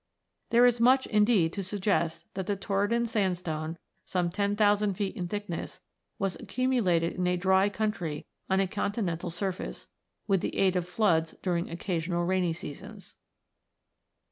There is much, indeed, to suggest that the Torridon Sandstone, some 10,000 feet in thickness, was ac cumulated in a dry country on a continental surface, with the aid of floods during occasional rainy seasons.